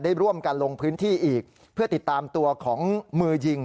ได้ร่วมกันลงพื้นที่อีกเพื่อติดตามตัวของมือยิง